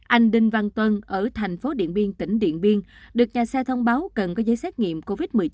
anh đinh văn tuân ở thành phố điện biên tỉnh điện biên được nhà xe thông báo cần có giấy xét nghiệm covid một mươi chín